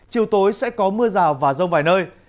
chiều tối sẽ có mưa rào và rông vài nơi